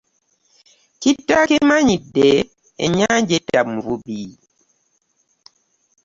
Kitta akimanyidde ennyanja etta muvubi.